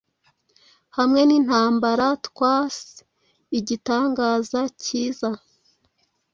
Hamwe nintambara Twas igitangaza cyiza